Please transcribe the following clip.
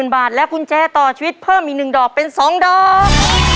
บาทและกุญแจต่อชีวิตเพิ่มอีก๑ดอกเป็น๒ดอก